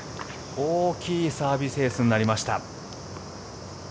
大きいサービスエースになりました。